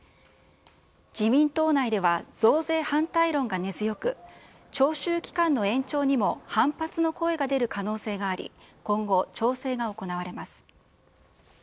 自民党内では、増税反対論が根強く、徴収期間の延長にも反発の声が出る可能性があり、今後、調整が行われます。